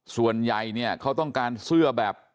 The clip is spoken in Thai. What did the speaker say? ส่วนใหญ่เนี่ยเขาต้องการเสื้อแบบ